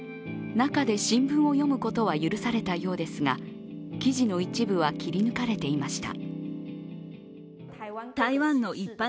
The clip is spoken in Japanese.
中で新聞を読むことは許されたようですが記事の一部は切り抜かれていました。